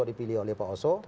dipilih oleh pak oso